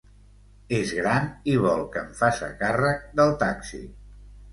És gran i vol que em faça càrrec del taxi.